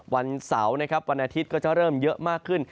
วันเสาร์นะครับวันอาทิตย์ก็จะเริ่มเยอะมากขึ้น